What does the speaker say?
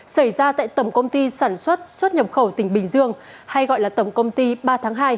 xảy ra tại tổng công ty sản xuất xuất nhập khẩu tỉnh bình dương hay gọi là tổng công ty ba tháng hai